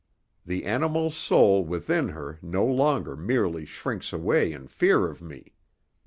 The animal's soul within her no longer merely shrinks away in fear of me.